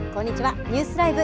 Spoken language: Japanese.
ニュースＬＩＶＥ！